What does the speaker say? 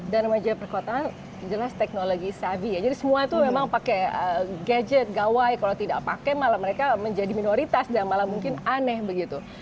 dan remaja di perkotaan jelas teknologi savvy ya jadi semua itu memang pakai gadget gawai kalau tidak pakai malah mereka menjadi minoritas dan malah mungkin aneh begitu